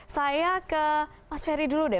saya ke mas ferry dulu deh